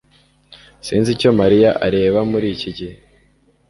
Sinzi icyo mariya areba muri iki gihe